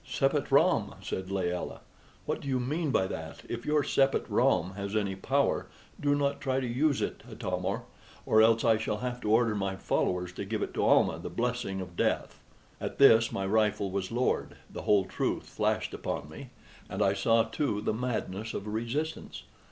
"Sepet ram!" said Layelah; "what do you mean by that? If your sepet ram has any power, do not try to use it, Atam or, or else I shall have to order my followers to give to Almah the blessing of death." At this my rifle was lowered: the whole truth flashed upon me, and I saw, too, the madness of resistance.